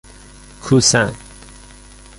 کوسن